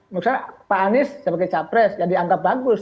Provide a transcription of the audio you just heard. misalnya pak anies sebagai capres ya dianggap bagus